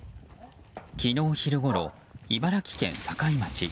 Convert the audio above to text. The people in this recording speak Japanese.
昨日昼ごろ、茨城県境町。